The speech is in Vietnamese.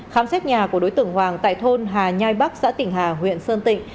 khám xét nhà của đối tượng hoàng tại thôn hà nhai bắc xã tỉnh hà huyện sơn tịnh